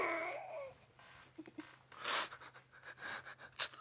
ちょっと。